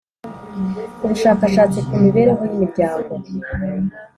ubushakashatsi ku mibereho y'imiryango